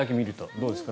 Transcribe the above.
どうですか？